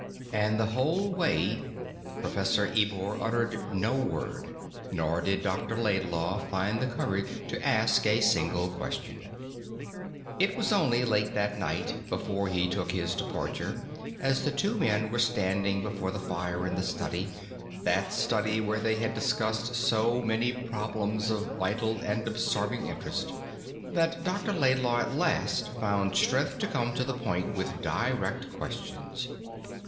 And the whole way Professor Ebor uttered no word, nor did Dr. Laidlaw find the courage to ask a single question. It was only late that night, before he took his departure, as the two men were standing before the fire in the study that study where they had discussed so many problems of vital and absorbing interest that Dr. Laidlaw at last found strength to come to the point with direct questions.